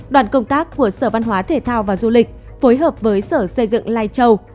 đoàn công tác của sở văn hóa thể thao và du lịch phối hợp với sở xây dựng lai châu